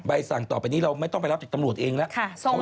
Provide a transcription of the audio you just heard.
สั่งต่อไปนี้เราไม่ต้องไปรับจากตำรวจเองแล้ว